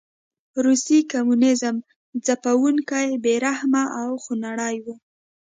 روسي کمونېزم ځپونکی، بې رحمه او خونړی و.